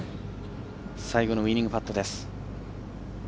最後のウイニングパットです。